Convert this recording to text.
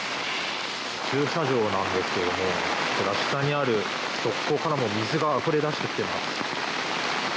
駐車場なんですけれども、こちら、下にある側溝からも水があふれ出してきてます。